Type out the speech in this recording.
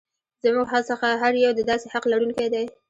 زموږ څخه هر یو د داسې حق لرونکی دی.